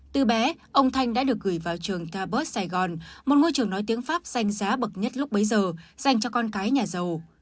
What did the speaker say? từ bé ông thanh đã được gửi vào trường tabot sài gòn một ngôi trường nói tiếng pháp xanh giá bậc nhất lúc bấy giờ dành cho con cái nhà giàu